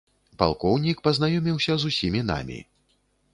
Палкоўнік пазнаёміўся з усімі намі.